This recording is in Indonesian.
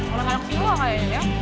orang orang jiwa kayaknya ya